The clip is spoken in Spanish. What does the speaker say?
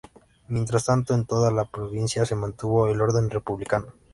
Mientras tanto, en toda la provincia se mantuvo el orden republicano.